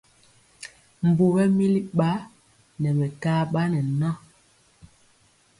Mbu ɓɛmili ba ne mekaba ne ŋa.